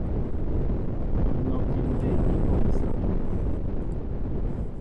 Enɔki mbɛy e boŋsa.